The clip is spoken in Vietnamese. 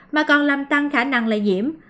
mà còn làm tăng khả năng lây nhiễm